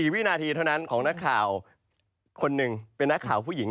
วินาทีเท่านั้นของนักข่าวคนหนึ่งเป็นนักข่าวผู้หญิง